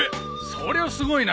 そりゃすごいな！